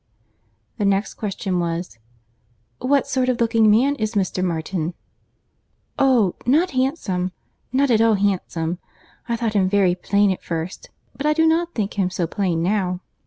The next question was— "What sort of looking man is Mr. Martin?" "Oh! not handsome—not at all handsome. I thought him very plain at first, but I do not think him so plain now.